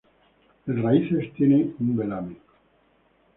El raíces tienen un velamen.